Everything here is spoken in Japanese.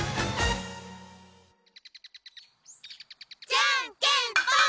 じゃんけんぽん！